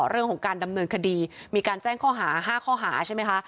เรื่องของการดำเนินคดีมีการแจ้งข้อหา๕ข้อหาใช่ไหมคะ